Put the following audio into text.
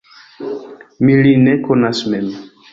Mi lin ne konas mem!